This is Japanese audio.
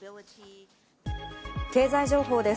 経済情報です。